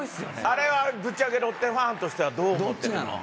「あれはぶっちゃけロッテファンとしてはどう思ってるの？」